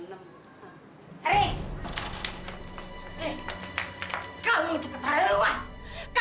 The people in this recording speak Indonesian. kamu cepet taruh luar